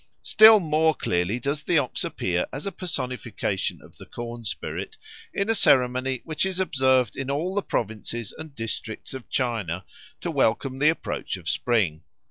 Still more clearly does the ox appear as a personification of the corn spirit in a ceremony which is observed in all the provinces and districts of China to welcome the approach of spring.